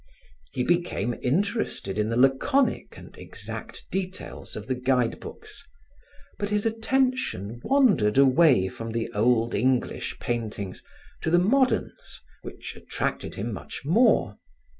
He became interested in the laconic and exact details of the guide books, but his attention wandered away from the old English paintings to the moderns which attracted him much more.